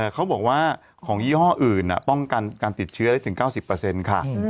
เขาบอกว่าของยี่ห้ออื่นป้องกันการติดเชื้อได้ถึง๙๐ค่ะ